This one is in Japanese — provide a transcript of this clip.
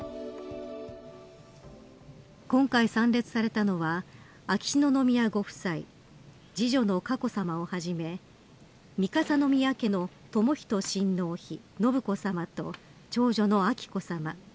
今回参列されたのは秋篠宮ご夫妻次女の佳子さまをはじめ三笠宮家の寛仁親王妃信子さまと長女の彬子さま。